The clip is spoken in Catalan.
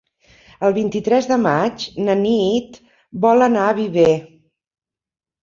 El vint-i-tres de maig na Nit vol anar a Viver.